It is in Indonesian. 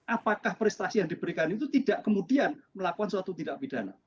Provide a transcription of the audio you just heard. apakah prestasi yang diberikan itu tidak kemudian melakukan suatu tindak pidana